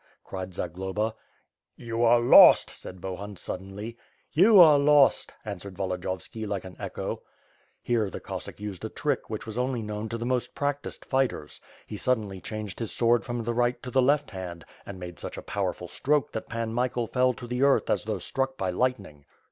'* cried Zagloba, "You are lost!'* said Bohun, suddenly. "You are lost!" answered Volodiyovski like an echo. Here the Cossack used a trick, which was only known to the most practised fighters. He suddenly changed his sword from the right to the left hand and made such a powerful stroke that Pan Michael fell to the earth as though struck by lightning.